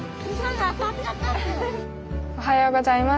おはようございます。